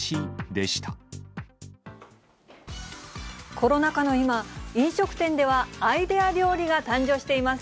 コロナ禍の今、飲食店ではアイデア料理が誕生しています。